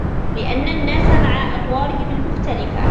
لِأَنَّ النَّاسَ مَعَ أَطْوَارِهِمْ الْمُخْتَلِفَةِ